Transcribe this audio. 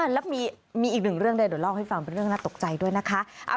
แล้วมีอีกหนึ่งเรื่องได้เดี๋ยวเล่าให้ฟังเป็นเรื่องน่าตกใจด้วยนะคะ